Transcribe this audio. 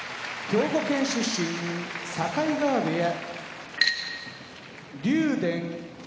熊本県出身境川部屋